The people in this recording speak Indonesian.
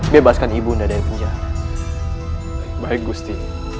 bebaskan ibu dari penjahat baik gusti